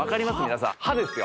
皆さん歯ですよ